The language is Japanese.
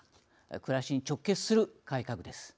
暮らしに直結する改革です。